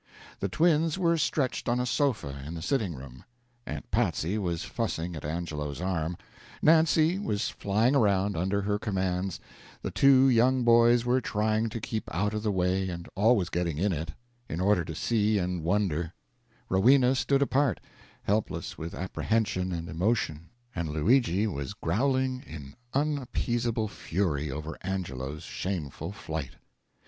The twins were stretched on a sofa in the sitting room, Aunt Patsy was fussing at Angelo's arm, Nancy was flying around under her commands, the two young boys were trying to keep out of the way and always getting in it, in order to see and wonder, Rowena stood apart, helpless with apprehension and emotion, and Luigi was growling in unappeasable fury over Angelo's shameful flight.